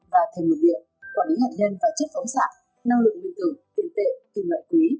và thêm một điện quản lý hạn nhân và chất phóng sản năng lượng dự tử tự tệ từ loại quý